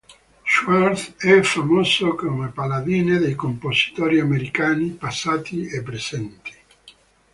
Schwarz è famoso come paladino dei compositori americani, passati e presenti.